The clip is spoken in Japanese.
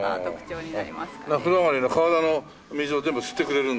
風呂上がりの体の水を全部吸ってくれるんだね。